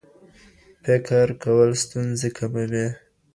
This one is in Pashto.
فکر کول ستونزې کموي.